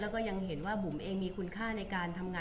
บุ๋มประดาษดาก็มีคนมาให้กำลังใจเยอะ